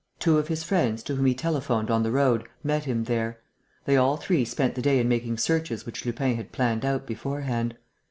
Two of his friends, to whom he telephoned on the road, met him there. They all three spent the day in making searches which Lupin had planned out beforehand.